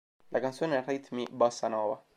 La canzone ha ritmi bossa nova.